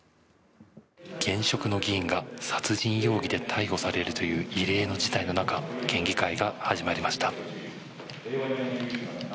現職の議員が殺人容疑で逮捕されるという異例の事態の中県議会が始まりました。